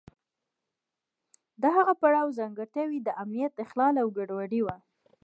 د هغه پړاو ځانګړتیاوې د امنیت اخلال او ګډوډي وه.